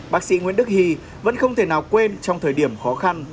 bác sĩ nguyễn đức hy vẫn không thể nào quên trong thời điểm khó khăn